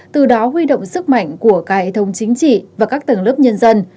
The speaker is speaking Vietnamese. từ đó huy động sức mạnh của cả hệ thống chính trị và các tầng lớp nhân dân